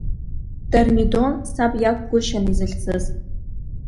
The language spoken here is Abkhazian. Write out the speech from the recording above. Дармидон саб иакәгәышьан изыхьӡыз…